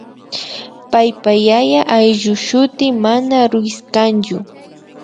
paypa yaya ayllushuti mana Ruíz kanchu